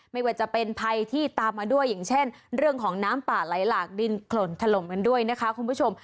ไม่ว่าจะเป็นภัยที่ตามมาด้วยอย่างเช่นเรื่องของน้ำป่าไหลหลากดินถล่นถล่มกันด้วยนะคะคุณผู้ชม